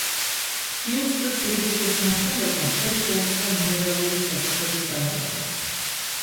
იუსტუს ლიბიხის ნაშრომებმა ხელი შეუწყო მინერალური სასუქების გამოყენებას.